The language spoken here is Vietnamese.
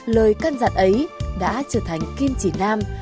lời căn dặn ấy đã trở thành kim chỉ nam